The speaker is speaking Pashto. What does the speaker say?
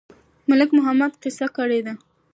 ملک محمد قصه کړې ده.